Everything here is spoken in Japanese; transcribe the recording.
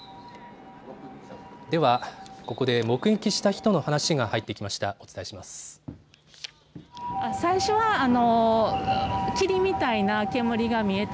では、ここで目撃した人の話が入ってきました。